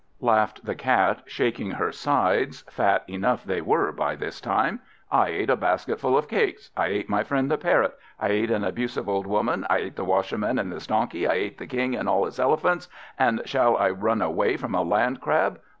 laughed the Cat, shaking her sides (fat enough they were by this time), "I ate a basketful of cakes, I ate my friend the Parrot, I ate an abusive old Woman, I ate the Washerman and his donkey, I ate the King and all his elephants, and shall I run away from a Landcrab?